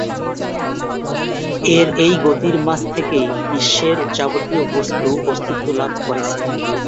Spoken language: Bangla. এর এই গতির মাঝ থেকেই বিশ্বের যাবতীয় বস্তু অস্তিত্ব লাভ করেছে।